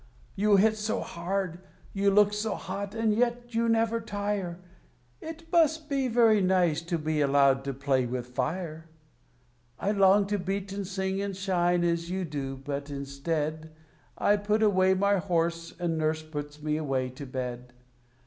You hit so hard, you look so hot, and yet you never tire; It must be very nice to be allowed to play with fire. I long to beat and sing and shine, as you do, but instead I put away my horse, and Nurse puts me away to bed.